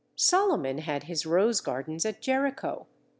Solomon had his rose gardens at Jericho.